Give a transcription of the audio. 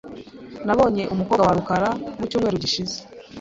Nabonye umukobwa wa rukara mu cyumweru gishize .